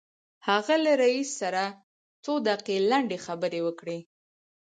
هغه له رئيس سره څو دقيقې لنډې خبرې وکړې.